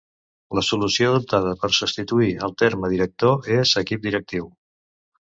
La solució adoptada per substituir el terme director és equip directiu.